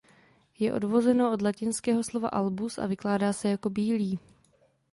Je odvozeno od latinského slova "albus" a vykládá se jako „bílý“.